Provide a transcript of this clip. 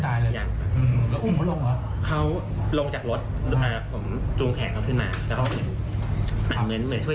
แต่ผมก็ดึงแขนเขาด้วยแล้วเขาก็เหมือนลุกออกมาได้